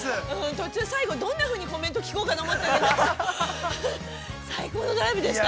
◆途中、最後、どんなふうにコメント聞こうかと思ったけど、最高のドライブでした。